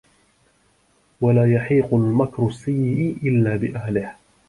وَلَا يَحِيقُ الْمَكْرُ السَّيِّئِ إلَّا بِأَهْلِهِ